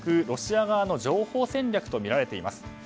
ロシア側の情報戦略とみられています。